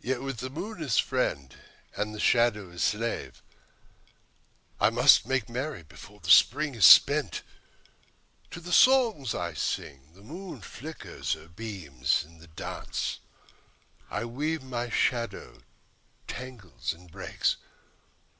Yet with the moon as friend and the shadow as slave I must make merry before the Spring is spent. To the songs I sing the moon flickers her beams; In the dance I weave my shadow tangles and breaks.